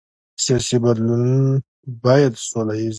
سیاسي بدلون باید سوله ییز وي